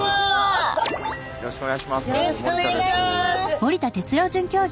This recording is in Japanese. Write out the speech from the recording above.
よろしくお願いします。